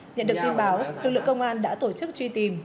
nhận được tin báo lực lượng công an đã tổ chức truy tìm